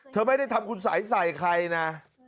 เธอไม่ได้ทำคุณสัยใส่ใครนะ